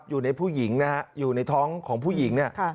อยู่ในผู้หญิงนะฮะอยู่ในท้องของผู้หญิงเนี่ย